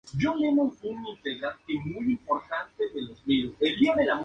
Además participó en producciones de Francia, España, Italia e Inglaterra.